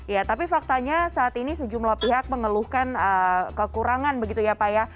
ya tapi faktanya saat ini sejumlah pihak mengeluhkan kekurangan begitu ya pak ya